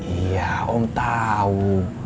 iya om tau